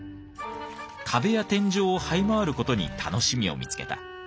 壁や天井をはい回る事に楽しみを見つけた。